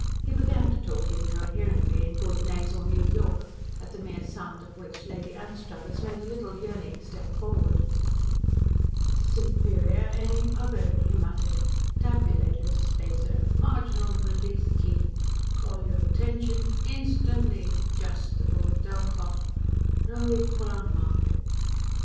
He began to talk incoherently in good, nasal New York, at the mere sound of which Lady Anstruthers made a little yearning step forward. "Superior any other," he muttered. "Tabulator spacer marginal release key call your 'tention instantly 'justable Delkoff no equal on market."